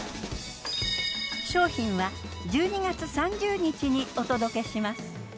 商品は１２月３０日にお届けします。